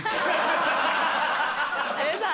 有吉さん